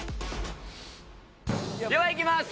ではいきます。